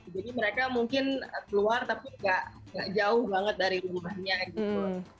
jadi mereka mungkin keluar tapi gak jauh banget dari rumahnya gitu